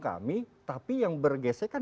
kami tapi yang bergesekan